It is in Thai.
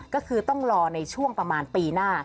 ก็คือต้องรอในช่วงประมาณปีหน้า